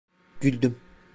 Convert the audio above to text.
Güldüm.